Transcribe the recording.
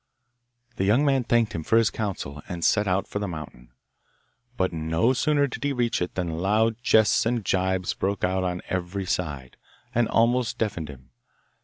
The young man thanked him for his counsel, and set out for the mountain. But no sooner did he reach it than loud jests and gibes broke out on every side, and almost deafened him.